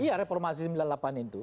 iya reformasi sembilan puluh delapan itu